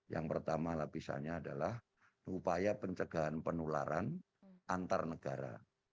yang pertama lapisannya adalah upaya pencegahan penularan antar negara